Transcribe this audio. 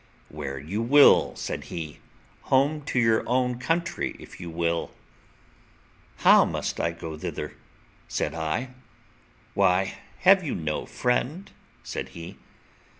"Where you will," said he, "home to your own country, if you will." "How must I go thither?" said I. "Why, have you no friend?" said he.